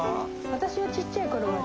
私はちっちゃい頃はね。